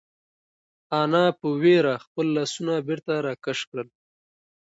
انا په وېره خپل لاسونه بېرته راکش کړل.